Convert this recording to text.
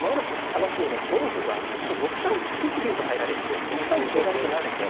楽しみの５二香がこれ８一竜と入られると６三桂成と成られて。